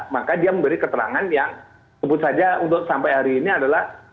maka dia memberi keterangan yang sebut saja untuk sampai hari ini adalah